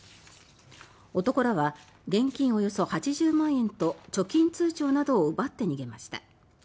男らは現金およそ８０万円と貯金通帳などを奪って逃げました。